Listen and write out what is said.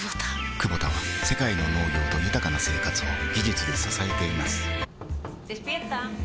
クボタは世界の農業と豊かな生活を技術で支えています起きて。